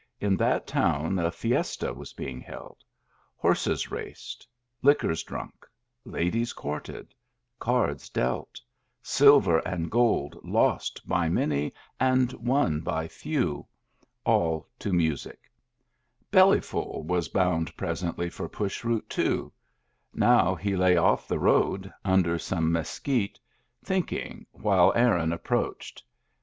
In that town 2i fiesta was being held; horses raced, liquors drunk, ladies courted, cards dealt, silver and gold lost by many and won by few, all to mu sic. Bellyful was bound presently for Push Root, 207 Digitized by VjOOQIC 2o8 MEMBERS OF THE FAMILY too. Now he lay off the road under some mes quite, thinking, while Aaron approached.